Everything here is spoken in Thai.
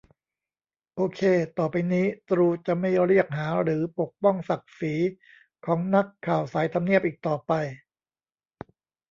โอเค ต่อไปนี้ ตรูจะไม่เรียกหาหรือปกป้องศักดิ์ศรีของนักข่าวสายทำเนียบอีกต่อไป